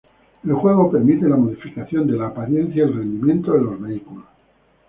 El juego permite la modificación de la apariencia y el rendimiento de los vehículos.